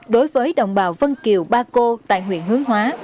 đối với đồng bào vân kiều ba cô tại huyện hướng hóa